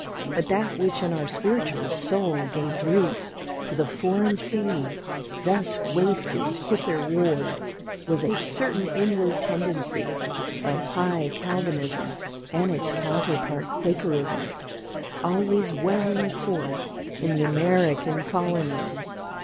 But that which in our spiritual soil gave root to the foreign seeds thus wafted hitherward, was a certain inward tendency of high Calvinism and its counterpart, Quakerism, always welling forth in the American colonies.